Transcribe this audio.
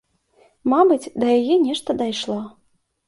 Мабыць, да яе нешта дайшло.